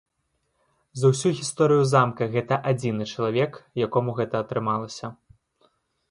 За ўсю гісторыю замка гэта адзіны чалавек, якому гэта атрымалася.